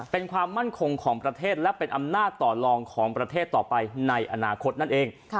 เป็นความมั่นคงของประเทศและเป็นอำนาจต่อลองของประเทศต่อไปในอนาคตนั่นเอง